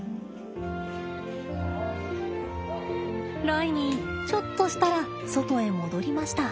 ライミーちょっとしたら外へ戻りました。